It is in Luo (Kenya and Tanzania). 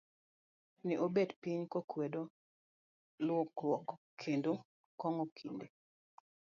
Ne obet piny, kokwedo lokruok, kendo kuong'o kinde.